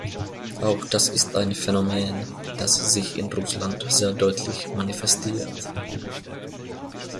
Auch das ist ein Phänomen, das sich in Russland sehr deutlich manifestiert.